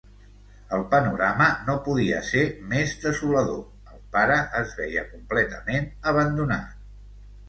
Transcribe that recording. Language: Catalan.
El panorama no podia ser més desolador... el pare es veia completament abandonat.